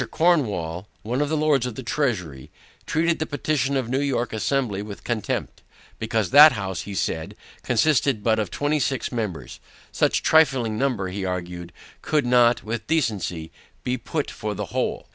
Cornwall (one of the Lords of the Treasury) treated the petition of the New York Assembly with contempt, because THAT House, he said, consisted but of twenty six members, which trifling number, he argued, could not with decency be put for the whole.